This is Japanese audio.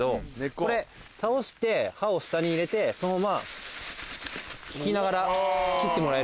これ倒して刃を下に入れてそのまま引きながら切ってもらえれば。